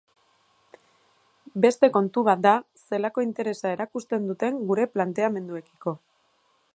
Beste kontu bat da zelako interesa erakusten duten gure planteamenduekiko.